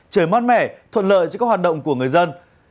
trời mát mẻ thuận lợi cho các hoạt động của người dân